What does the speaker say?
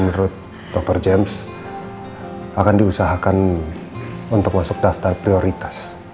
menurut dr james akan diusahakan untuk masuk daftar prioritas